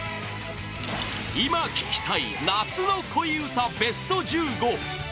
今聴きたい夏の恋うたＢＥＳＴ１５